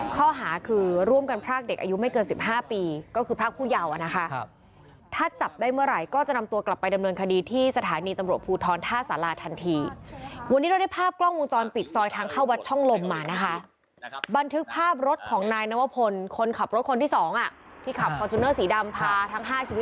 ข้อหาคือร่วมกันพรากเด็กอายุไม่เกินสิบห้าปีก็คือพรากผู้เยาว์อ่ะนะคะถ้าจับได้เมื่อไหร่ก็จะนำตัวกลับไปดำเนินคดีที่สถานีตำรวจภูทรท่าสาราทันทีวันนี้เราได้ภาพกล้องวงจรปิดซอยทางเข้าวัดช่องลมมานะคะบันทึกภาพรถของนายนวพลคนขับรถคนที่สองอ่ะที่ขับฟอร์จูเนอร์สีดำพาทั้งห้าชีวิต